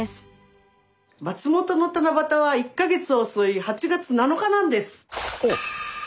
松本の七夕は１か月遅い８月７日なんです！